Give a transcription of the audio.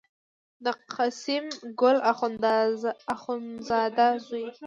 د قسیم ګل اخوندزاده زوی و.